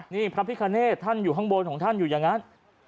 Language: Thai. นี่พระพิคเนธท่านอยู่ข้างบนของท่านอยู่อย่างนั้น